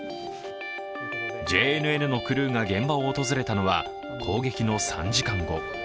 ＪＮＮのクルーが現場を訪れたのは攻撃の３時間後。